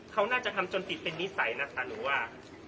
เขาน่าจะทำจนติดเป็นนิสัยนะคะหรือว่า